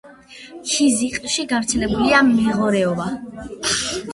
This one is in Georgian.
ქიზიყში გავრცელებულია მეღორეობა